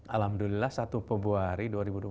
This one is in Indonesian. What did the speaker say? alhamdulillah satu pebuah hari